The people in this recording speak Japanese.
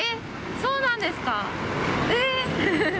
そうなんですか？